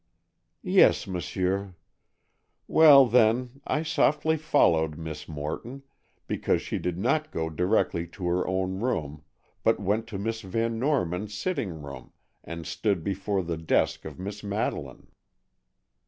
"Yes, m'sieur. Well, then, I softly followed Miss Morton, because she did not go directly to her own room, but went to Miss Van Norman's sitting room and stood before the desk of Miss Madeleine."